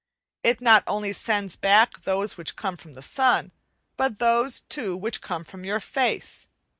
It not only sends back those which come from the sun, but those, too, which come from your face.